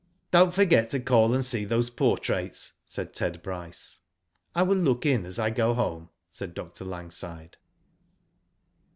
*' Don't forget to call and see those portraits," said Ted Bryce. I will look in as I go home," said Dr. Lang side.